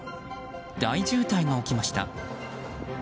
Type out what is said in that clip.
大渋滞が起きました。